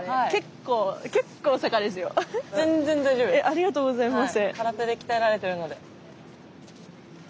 ありがとうございます。